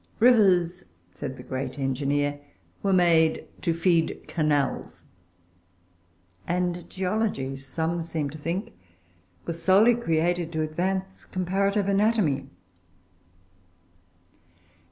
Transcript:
"Rivers," said the great engineer, "were made to feed canals;" and geology, some seem to think, was solely created to advance comparative anatomy.